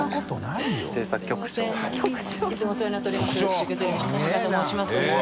いつもお世話になっております。